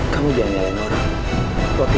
kalau atau dia ambil